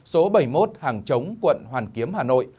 số bảy mươi một hàng chống quận hoàn kiếm hà nội